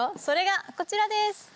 それがこちらです。